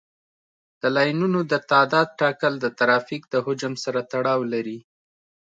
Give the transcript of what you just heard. د لاینونو د تعداد ټاکل د ترافیک د حجم سره تړاو لري